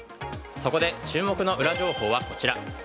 そこで、注目の裏情報はこちら。